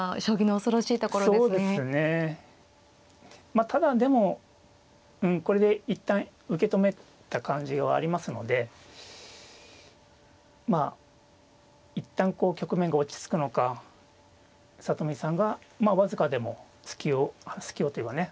まあただでもこれで一旦受け止めた感じはありますのでまあ一旦こう局面が落ち着くのか里見さんがまあ僅かでも隙を隙をというかね